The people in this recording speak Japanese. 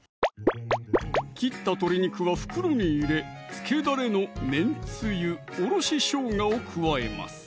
切った鶏肉は袋に入れつけだれのめんつゆ・おろししょうがを加えます